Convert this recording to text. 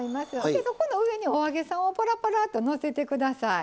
でそこの上にお揚げさんをパラパラとのせて下さい。